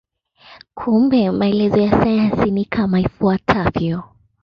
Kumbe maelezo ya sayansi ni kama ifuatavyo.